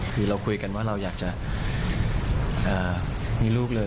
คือเราคุยกันว่าเราอยากจะมีลูกเลย